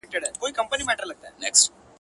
• هم باندي جوړ سول لوی زیارتونه -